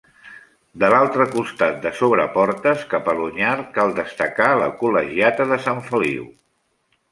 De l'altre costat, de Sobreportes cap a l'Onyar, cal destacar la col·legiata de Sant Feliu.